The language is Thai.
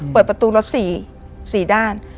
เปิดประตูรถ๔ด้าน